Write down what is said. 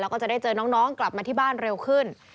แล้วก็จะได้เจอน้องกลับมาที่บ้านเร็วขึ้น